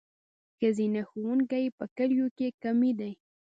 ښځینه ښوونکي په کلیو کې کمې دي.